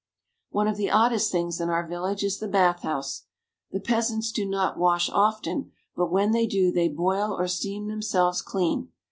One of the oddest things in our village is the bath house. The peasants do not wash often, but when they do they boil or steam themselves clean.